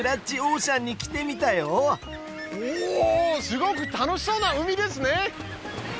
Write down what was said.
すごく楽しそうな海ですね！